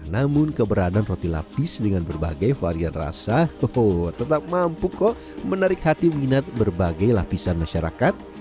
namun keberadaan roti lapis dengan berbagai varian rasa hoho tetap mampu kok menarik hati minat berbagai lapisan masyarakat